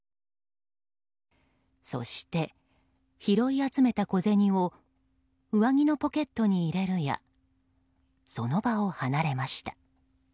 そして、拾い集めた小銭を上着のポケットに入れるやその場を離れました。